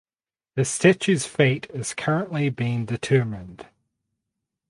The statues fate is currently being determined.